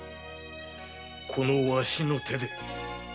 このわしの手で。